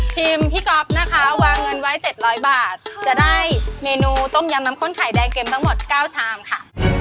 พี่ก๊อฟนะคะวางเงินไว้๗๐๐บาทจะได้เมนูต้มยำน้ำข้นไข่แดงเข็มทั้งหมด๙ชามค่ะ